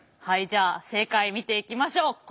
はいじゃあ正解見ていきましょう。